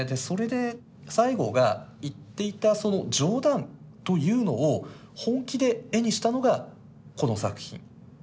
それで西郷が言っていたその冗談というのを本気で絵にしたのがこの作品。